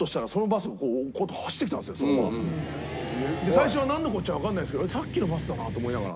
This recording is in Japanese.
最初はなんのこっちゃわかんないんですけどさっきのバスだなと思いながら。